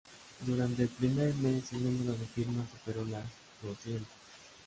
Durante el primer mes, el número de firmas superó las doscientas.